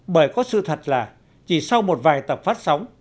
bởi có sự thật là chỉ sau một vài tập phát sóng